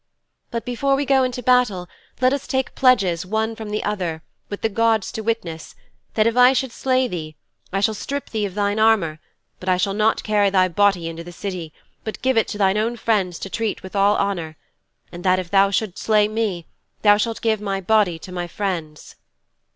But before we go into battle let us take pledges, one from the other, with the gods to witness, that, if I should slay thee, I shall strip thee of thine armour but I shall not carry thy body into the City but shall give it to thine own friends to treat with all honour, and that, if thou should slay me, thou shalt give my body to my friends."'